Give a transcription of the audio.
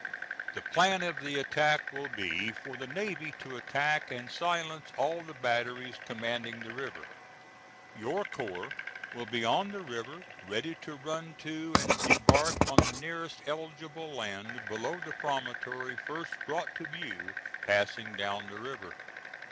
The plan of the attack will be for the navy to attack and silence all the batteries commanding the river. Your corps will be on the river, ready to run to and debark on the nearest eligible land below the promontory first brought to view passing down the river.